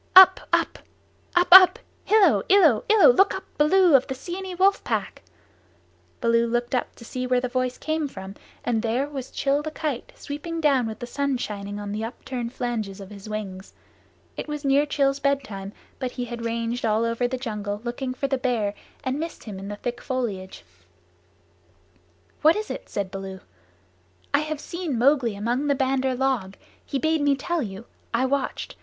"Up, Up! Up, Up! Hillo! Illo! Illo, look up, Baloo of the Seeonee Wolf Pack!" Baloo looked up to see where the voice came from, and there was Rann the Kite, sweeping down with the sun shining on the upturned flanges of his wings. It was near Rann's bedtime, but he had ranged all over the jungle looking for the Bear and had missed him in the thick foliage. "What is it?" said Baloo. "I have seen Mowgli among the Bandar log. He bade me tell you. I watched.